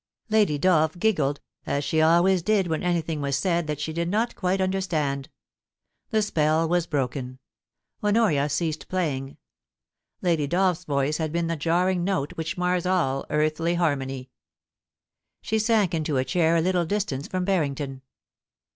Lady Dolph giggled, as she always did when anything was said that she did not quite understand. The spell was broken. Honoria ceased playing. Lady Dolph's voice had been the jarring note which mars all earthly harmony. She sank into a chair a little distance from Barrington.